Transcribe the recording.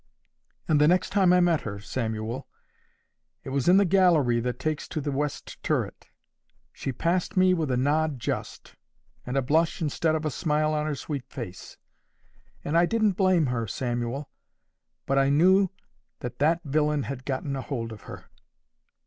And the next time I met her, Samuel—it was in the gallery that takes to the west turret—she passed me with a nod just, and a blush instead of a smile on her sweet face. And I didn't blame her, Samuel; but I knew that that villain had gotten a hold of her.